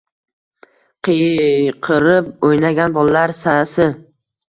Qiyqirib o’ynagan bolalar sasi.